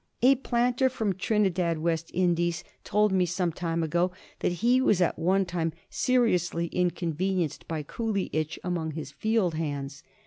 A planter from Trinidad, West Inches, told me some time ago that he was at one time seriously inconvenienced by Coolie itch among his field hands.